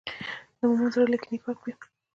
د مؤمن زړه له کینې پاک وي.